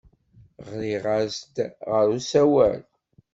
Ɣriɣ-as-d ɣer usawal.